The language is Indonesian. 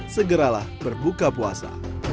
segeralah berbuka puasa